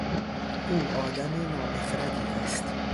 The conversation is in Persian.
او آدم نابخردی است.